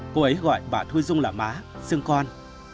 cô ấy gọi bà thu dung là má xương con